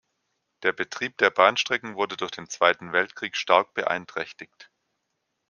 Der Betrieb der Bahnstrecken wurde durch den Zweiten Weltkrieg stark beeinträchtigt.